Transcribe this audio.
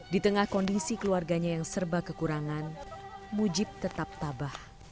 di tengah kondisi keluarganya yang serba kekurangan mujib tetap tabah